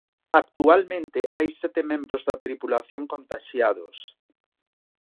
Actualmente hai sete membros da tripulación contaxiados.